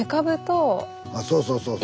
あそうそうそうそう。